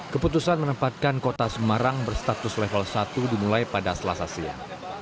keputusan menempatkan kota semarang berstatus level satu dimulai pada selasa siang